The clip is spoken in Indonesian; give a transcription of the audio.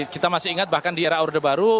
kita masih ingat bahkan di era orde baru